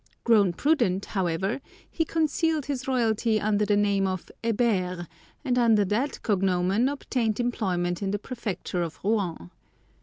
Grown prudent, however, he concealed his royalty under the name of Hébert, and under that cognomen obtained employment in the Préfecture of Rouen.